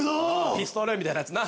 ピストルみたいなやつな。